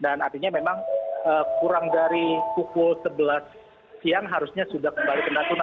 dan artinya memang kurang dari pukul sebelas siang harusnya sudah kembali ke natuna